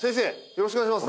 よろしくお願いします